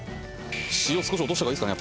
塩少し落とした方がいいですかね？